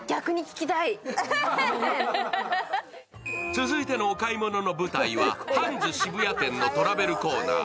続いてのお買い物の舞台はハンズ渋谷店のトラベルコーナー。